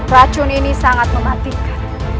racun ini sangat mematikan